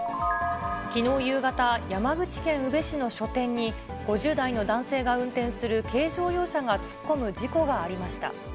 きのう夕方、山口県宇部市の書店に、５０代の男性が運転する軽乗用車が突っ込む事故がありました。